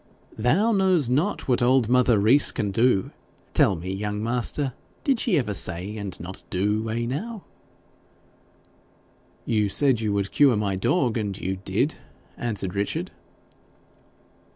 'Thou knows not what old mother Rees can do. Tell me, young master, did she ever say and not do eh, now?' 'You said you would cure my dog, and you did,' answered Richard.